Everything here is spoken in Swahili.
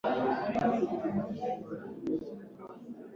Inatumia njia ambazo zinaendelezwa na jamii kama kushirikiana kuchora ramani